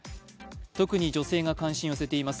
特に女性が関心を寄せています。